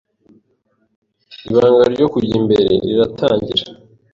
Ibanga ryo kujya imbere riratangira.